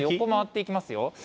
回っていきますよ。